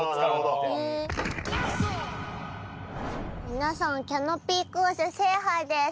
皆さんキャノピーコース制覇です。